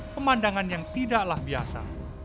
pemandangan yang tidaklah biasa